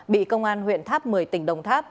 bị công an huyện tháp một mươi tỉnh đồng tháp